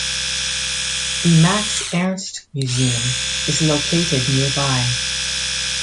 The Max Ernst Museum is located nearby.